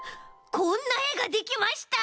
こんなえができました！